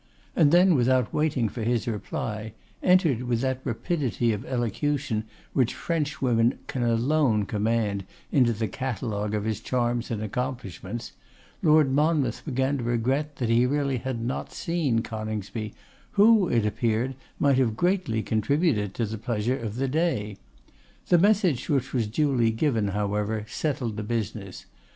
And then, without waiting for his reply, entered with that rapidity of elocution which Frenchwomen can alone command into the catalogue of his charms and accomplishments, Lord Monmouth began to regret that he really had not seen Coningsby, who, it appeared, might have greatly contributed to the pleasure of the day. The message, which was duly given, however, settled the business.